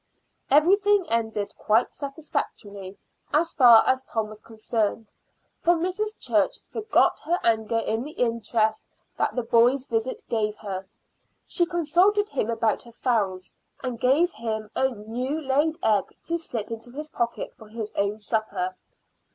Everything ended quite satisfactorily as far as Tom was concerned, for Mrs. Church forgot her anger in the interest that the boy's visit gave her. She consulted him about her fowls, and gave him a new laid egg to slip into his pocket for his own supper.